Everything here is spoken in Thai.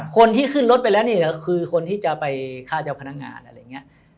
คนที่ขึ้นรถไปแล้วเนี่ยก็คือคนที่จะไปฆ่าเจ้าพนักงานอะไรอย่างนี้